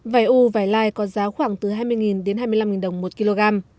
vài u vài lai có giá khoảng từ hai mươi đến hai mươi năm đồng một kg